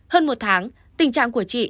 hơn một tháng tình trạng của chị